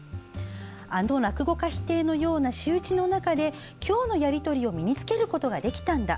「あの落語家否定のような仕打ちの中で、今日のやり取りを身に着けることができたんだ。